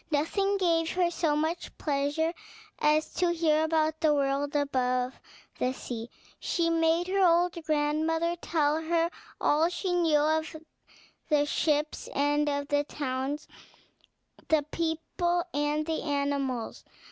Nothing gave her so much pleasure as to hear about the world above the sea. She made her old grandmother tell her all she knew of the ships and of the towns, the people and the animals.